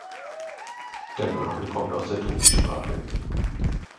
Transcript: Der Name kommt aus der Tupi-Sprache.